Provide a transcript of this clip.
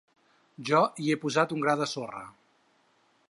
Jo hi he posat un gra de sorra.